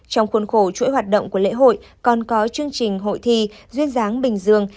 trong khuôn khổ chuỗi hoạt động của lễ hội còn có chương trình hội thi duyên giáng bình dương